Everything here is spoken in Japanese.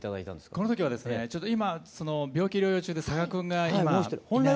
この時はですねちょっと今病気療養中で佐賀君がいない。